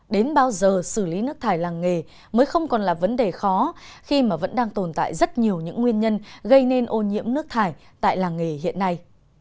đến bao giờ xử lý nước thải làng nghề mới không còn là vấn đề khó khi mà vẫn đang tồn tại rất nhiều những nguyên nhân gây nên ô nhiễm nước thải tại làng nghề hiện nay